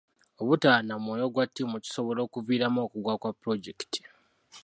Obutaba na mwoyo gwa ttiimu kisobola okuviiramu okugwa kwa pulojekiti.